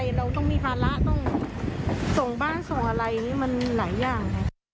เราต้องมีภาระต้องส่งบ้านส่งอะไรอย่างนี้มันหลายอย่าง